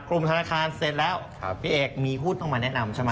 ธนาคารเสร็จแล้วพี่เอกมีหุ้นต้องมาแนะนำใช่ไหม